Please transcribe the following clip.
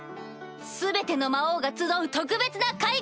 全ての魔王が集う特別な会合！